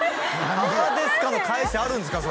「母ですか？」の返しあるんですか？